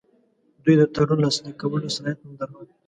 دوی د تړون لاسلیک کولو صلاحیت نه درلود.